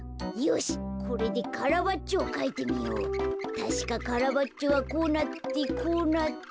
たしかカラバッチョはこうなってこうなって。